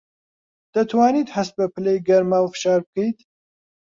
دەتوانیت هەست بە پلەی گەرما و فشار بکەیت؟